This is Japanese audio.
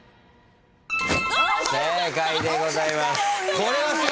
正解でございます。